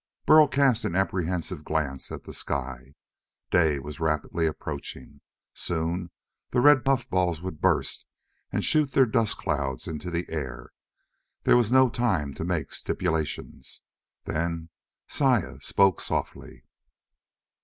Burl cast an apprehensive glance at the sky. Day was rapidly approaching. Soon the red puffballs would burst and shoot their dust clouds into the air. This was no time to make stipulations. Then Saya spoke softly.